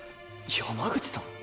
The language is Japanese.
山口さん